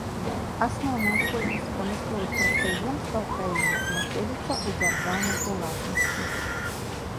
Асноўная колькасць прамысловых прадпрыемстваў краіны знаходзіцца ў дзяржаўнай уласнасці.